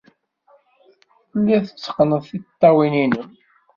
Telliḍ tetteqqneḍ tiṭṭawin-nnem.